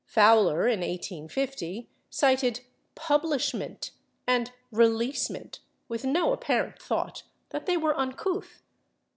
Fowler, in 1850, cited /publishment/ and /releasement/ with no apparent thought that they were uncouth.